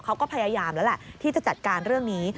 เขาก็พยายามแล้วแหละที่จะจัดการเรื่องนี้